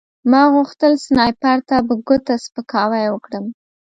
ما غوښتل سنایپر ته په ګوته سپکاوی وکړم